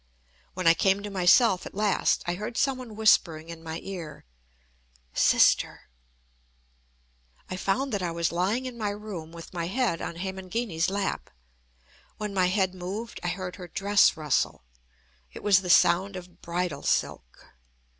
When I came to myself at last, I heard some one whispering in my ear: "Sister." I found that I was lying in my room with my head on Hemangini's lap. When my head moved, I heard her dress rustle. It was the sound of bridal silk.